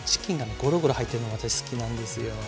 ゴロゴロ入ってるのが私好きなんですよ。